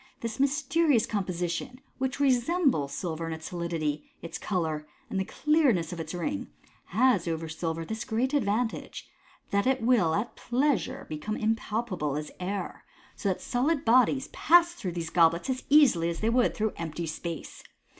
This mysterious composition, which resembles silver in its solidity, its colour, and the clearness of its ring, has over silver this great advantage, that it will at pleasure become impalpable as air, so that solid bodies pass through these goblets as easily as they would through empty space.